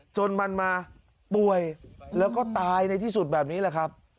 จนมันมาป่วยแล้วก็ตายในที่สุดแบบนี้แหละครับ